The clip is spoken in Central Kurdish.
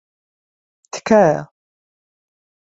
تکایە.